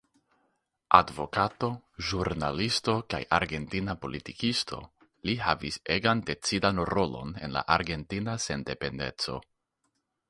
Advokato, ĵurnalisto kaj argentina politikisto, li havis egan decidan rolon en la Argentina Sendependeco.